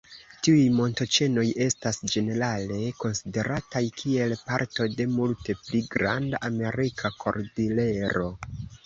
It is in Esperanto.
Tiuj montoĉenoj estas ĝenerale konsiderataj kiel parto de multe pli granda Amerika kordilero.